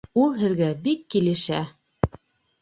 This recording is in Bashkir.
Ул һеҙгә бик килешә!